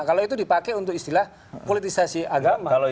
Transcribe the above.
saya pakai untuk istilah politisasi agama